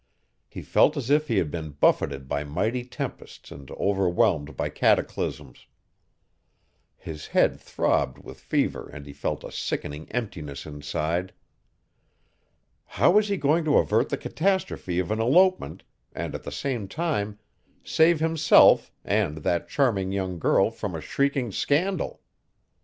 He felt as if he had been buffeted by mighty tempests and overwhelmed by cataclysms. His head throbbed with fever and he felt a sickening emptiness inside. How was he going to avert the catastrophe of an elopement and at the same time save himself and that charming young girl from a shrieking scandal?